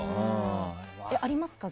ありますか？